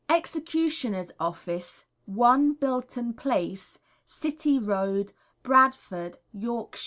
Executioner's Office, 1, Bilton Place, City Road, Bradford, Yorks.